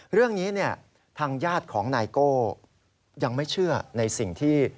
เรื่องนี้ทางญาติของนายโก้ยังไม่เชื่อในสิ่งที่